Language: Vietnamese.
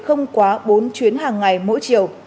không quá bốn chuyến hàng ngày mỗi chiều